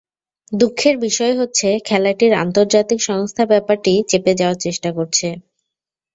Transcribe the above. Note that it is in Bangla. দুঃখের বিষয় হচ্ছে খেলাটির আন্তর্জাতিক সংস্থা ব্যাপারটি চেপে যাওয়ার চেষ্টা করছে।